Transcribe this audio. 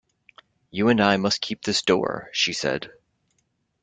"You and I must keep this door," she said.